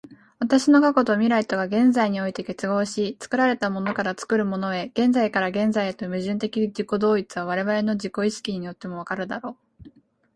私の過去と未来とが現在において結合し、作られたものから作るものへ、現在から現在へという矛盾的自己同一は、我々の自己意識によっても分かるであろう。